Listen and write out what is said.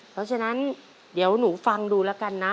เพราะฉะนั้นเดี๋ยวหนูฟังดูแล้วกันนะ